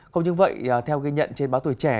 không những vậy theo ghi nhận trên báo tuổi trẻ